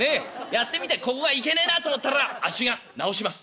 やってみてここがいけねえなと思ったらあっちが直します」。